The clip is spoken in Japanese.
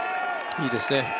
いいですね。